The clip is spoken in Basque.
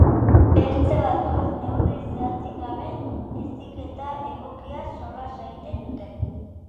Bertze batzuek neurri zehatzik gabe heziketa egokiaz solas egiten dute